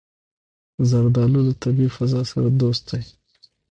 زردالو له طبیعي فضا سره دوست دی.